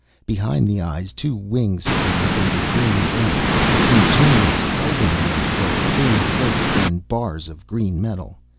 Behind the eyes, two wings sprang from the green band. Ingenious, folding wings, of thin plates and bars of green metal.